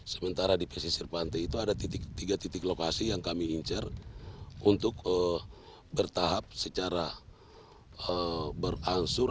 sementara di pesisir pantai itu ada tiga titik lokasi yang kami incer untuk bertahap secara berangsur